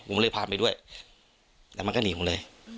ผมเลยพาไปด้วยแล้วมันก็หนีผมเลย